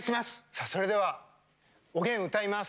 さあそれではおげん歌います！